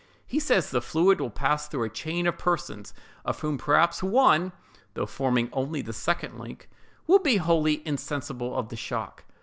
He says the fluid will pass through a chain of persons, of whom perhaps one (though forming only the second link) will be wholly insensible of the shock.